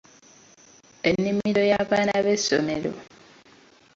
Ennimiro y'abaana b'essomero